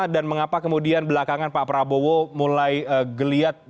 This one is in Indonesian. dan mengapa kemudian belakangan pak prabowo mulai geliat